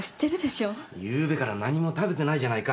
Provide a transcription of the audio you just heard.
昨夜から何も食べてないじゃないか。